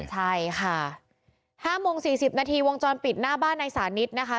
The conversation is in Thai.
ใช่ค่ะห้ามุงสี่สิบนาทีวงจรปิดหน้าบ้านนายสานิทนะคะ